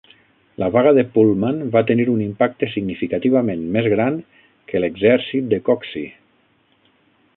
La vaga de Pullman va tenir un impacte significativament més gran que l'exèrcit de Coxey.